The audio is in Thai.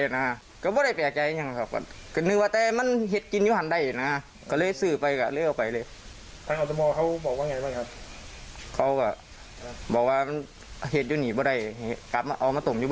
น้องน้อยสรุปแล้วนะครับ